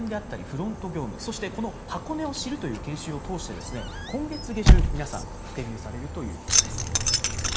新入社員の皆さんは、マナー研修のほか、配膳であったりフロント業務、そして、この箱根を知るという研修を通して、今月下旬、皆さんデビューされるということです。